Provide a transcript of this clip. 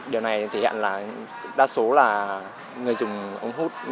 điều này thể hiện là đa số là người dùng ống hút